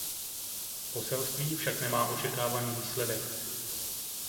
Poselství však nemá očekávaný výsledek.